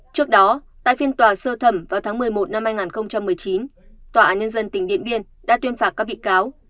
trước đó tại phiên tòa sơ thẩm vào tháng một mươi một năm hai nghìn một mươi chín tòa án nhân dân tỉnh điện biên đã tuyên phạt các bị cáo